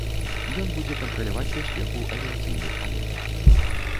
Ён будзе кантраляваць бяспеку авіяцыйных палётаў.